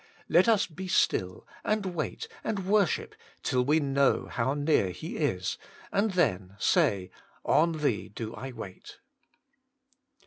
Let us be still and wait and worship till we know how near He is, and then say, * On Thee do I wait.'